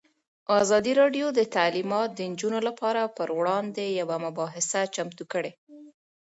ازادي راډیو د تعلیمات د نجونو لپاره پر وړاندې یوه مباحثه چمتو کړې.